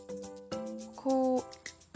こう。